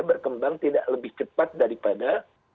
berkembang tidak lebih cepat daripada